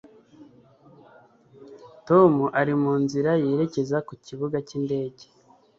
Tom ari mu nzira yerekeza ku kibuga cyindege